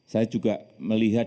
saya juga melihat